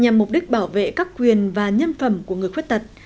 nhằm mục đích bảo vệ các quyền và nhân phẩm của người khuyết tật